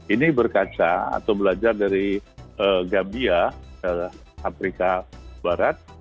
ini berkaca atau belajar dari gabia afrika barat